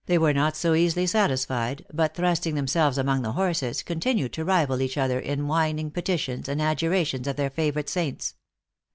They were not so easily satis fied, but thrusting themselves among the horses, con tinued to rival each other in whining petitions and adjurations of their favorite saints.